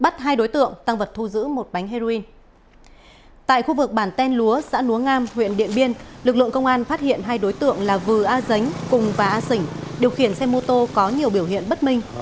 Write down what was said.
trong một bản tên lúa xã núa ngam huyện điện biên lực lượng công an phát hiện hai đối tượng là vư a dánh cùng a sỉnh điều khiển xe mô tô có nhiều biểu hiện bất minh